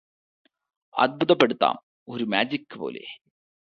അത്ഭുതപ്പെടുത്താം ഒരു മാജിക് പോലെ